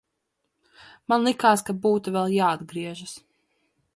Man likās, ka būtu vēl jāatgriežas.